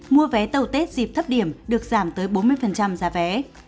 mua vé tàu tết dịp thấp điểm được giảm tới bốn mươi giá vé